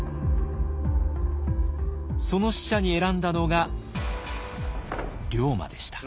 その使者に選んだのが龍馬でした。